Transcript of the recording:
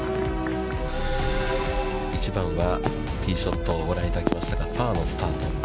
１番はティーショットをご覧いただきましたが、パーのスタート。